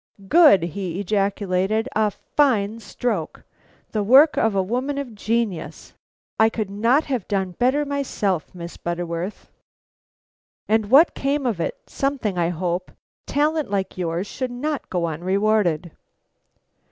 "Good!" he ejaculated; "a fine stroke! The work of a woman of genius! I could not have done better myself, Miss Butterworth. And what came of it? Something, I hope; talent like yours should not go unrewarded."